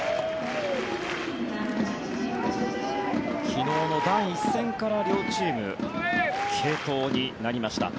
昨日の第１戦から、両チーム継投になりました。